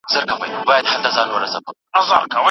ایا ته د خپل حق په اړه پوهېږې؟